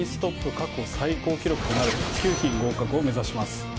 過去最高記録となる９品合格を目指します